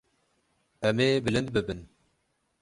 Em ê bilind bibin.